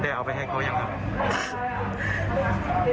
เอาไปให้เขายังครับ